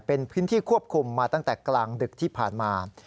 เป็นพื้นที่ควบคุมมาตั้งแต่กลางดึกที่ผ่านมา